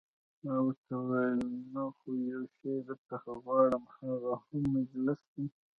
ما ورته وویل: نه، خو یو شی درڅخه غواړم، هغه هم مجلس دی.